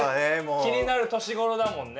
気になる年ごろだもんね。